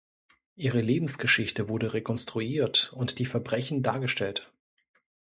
Ihre Lebensgeschichte wurde rekonstruiert und die Verbrechen dargestellt.